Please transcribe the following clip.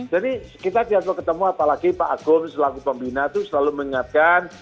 jadi kita jika ketemu apalagi pak agung selalu pembina itu selalu mengingatkan